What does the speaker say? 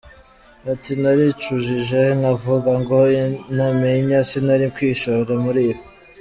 Ati“Naricujije nkavuga ngo intamenya, sinari kwishora muri ibi.